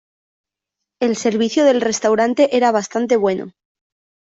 El servicio del restaurante era bastante bueno.